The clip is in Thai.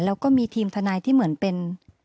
แล้วก็มีทีมทนายที่เหมือนเป็น